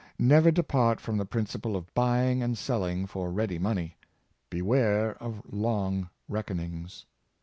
Never depart from the principle of buying and selling for ready money. Beware of long reckonings."